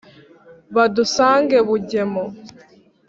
badusange bungemo